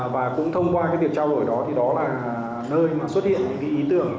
và cũng thông qua cái việc trao đổi đó thì đó là nơi mà xuất hiện những cái ý tưởng